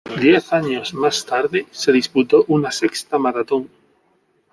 Diez años más tarde se disputó una sexta maratón.